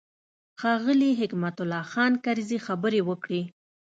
ښاغلي حکمت الله خان کرزي خبرې وکړې.